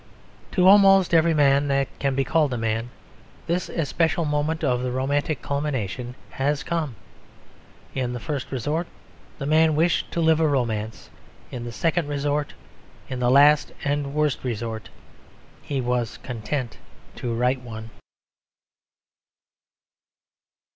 To almost every man that can be called a man this especial moment of the romantic culmination has come. In the first resort the man wished to live a romance. In the second resort, in the last and worst resort, he was content to write one.